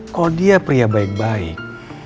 kok dia pria baik baik